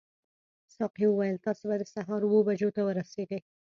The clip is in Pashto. ساقي وویل تاسي به د سهار اوو بجو ته ورسیږئ.